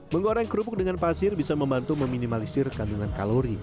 mengoreng kerupuk dengan pasir bisa membantu meminimalisir kandungan kalori